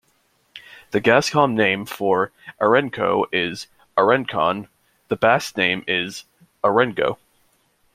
The Gascon name for "Arancou" is "Arancon"; the Basque name is "Erango".